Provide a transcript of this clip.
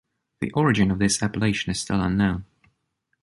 The origin of this appellation is still unknown.